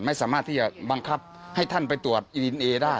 ไม่สามารถที่จะบังคับให้ท่านไปตรวจอีดีเอนเอได้